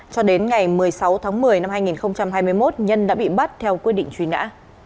cho đến ngày một mươi sáu tháng một mươi năm hai nghìn hai mươi một nhân đã bị bắt theo quyết định truy nã